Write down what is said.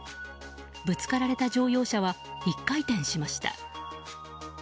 ぶつけられた乗用車は１回転しました。